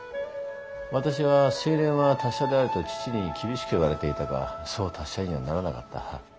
私は「水練は達者であれ」と父に厳しく言われていたがそう達者にはならなかった。